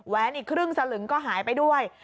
อีกครึ่งสลึงก็หายไปด้วย